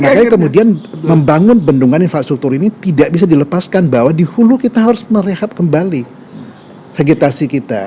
makanya kemudian membangun bendungan infrastruktur ini tidak bisa dilepaskan bahwa di hulu kita harus merehab kembali vegetasi kita